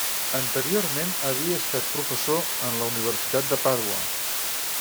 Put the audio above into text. Anteriorment havia estat professor en la Universitat de Pàdua.